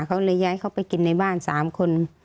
เขาเลยย้ายเขาไปกินในบ้าน๓คน